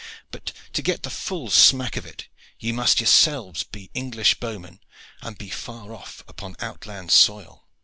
But to get the full smack of it ye must yourselves be English bowmen, and be far off upon an outland soil."